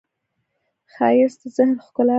ښایست د ذهن ښکلا ده